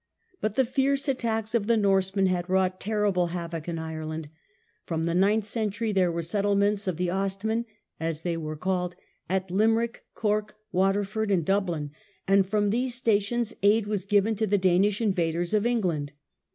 But the fierce attacks of the Norsemen had wrought terrible havoc in Ireland. From the ninth century there were settlements of the Ostmen (as they were called) at Limerick, Cork, Waterford, and Dublin, and from these stations aid was given to the Danish invaders of England.